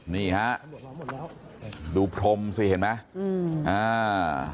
นี่ฮะดูพรมสิเห็นไหมอืมอ่า